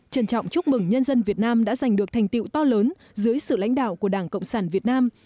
trân trọng chúc mừng nhân dân việt nam đã giành được thành tiệu to lớn dưới sự lãnh đạo của đảng cộng sản việt nam